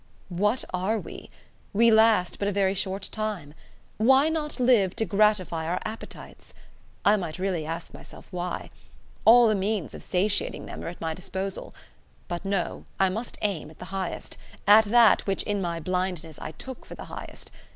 "What are we! We last but a very short time. Why not live to gratify our appetites? I might really ask myself why. All the means of satiating them are at my disposal. But no: I must aim at the highest: at that which in my blindness I took for the highest.